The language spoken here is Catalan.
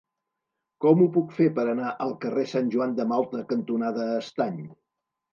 Com ho puc fer per anar al carrer Sant Joan de Malta cantonada Estany?